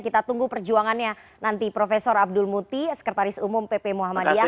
kita tunggu perjuangannya nanti prof abdul muti sekretaris umum pp muhammadiyah